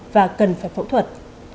và cần phải phẫu thuật